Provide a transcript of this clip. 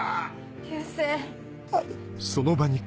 流星。